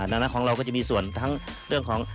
ดังนั้นของเราก็จะมีส่วนทั้งเรื่องของ